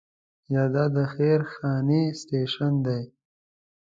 یا دا د خیر خانې سټیشن دی.